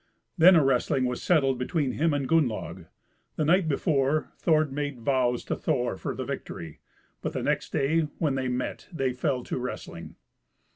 Then a wrestling was settled between him and Gunnlaug. The night before Thord made vows to Thor for the victory; but the next day, when they met, they fell to wrestling.